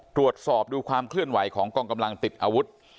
ตรวจสอบดูความเคลื่อนไหวของกองกำลังติดอาวุธ